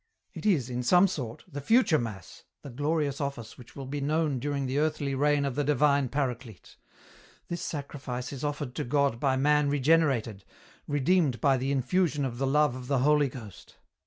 It is, in some sort, the future mass, the glorious office which will be known during the earthly reign of the divine Paraclete. This sacrifice is offered to God by man regenerated, redeemed by the infusion of the Love of the Holy Ghost.